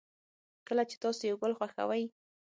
کله چې تاسو یو گل خوښوئ